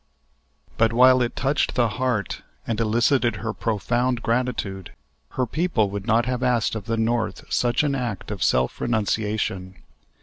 But while it touched the heart and elicited her profound gratitude, her people would not have asked of the North such an act of self renunciation.